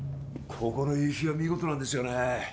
ここの夕日は見事なんですよね